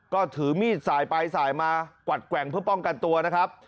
ก็ถือมีดสายไปสายมากวัดแกว่งเพื่อป้องกันตัวนะครับ